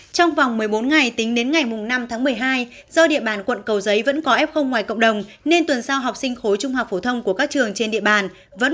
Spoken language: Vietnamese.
trong vòng một mươi bốn ngày tính đến ngày năm tháng một mươi hai do địa bàn quận cầu giấy vẫn có f ngoài cộng đồng nên tuần sao học sinh khối trung học phổ thông của các trường trên địa bàn